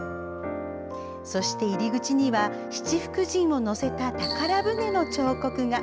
そして入り口には七福神を乗せた宝船の彫刻が。